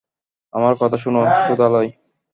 আমার কথা শোন, সুদালাই।